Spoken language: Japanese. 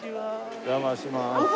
お邪魔します。